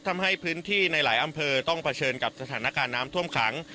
ทำให้พื้นที่ในหลายอำเภอต้องเผชิญกับสถานการณ์น้ำท่วมขัง